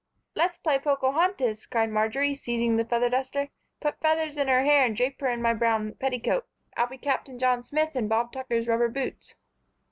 "Let's play Pocohontis!" cried Marjory, seizing the feather duster. "Put feathers in her hair and drape her in my brown petticoat. I'll be Captain John Smith in Bob Tucker's rubber boots."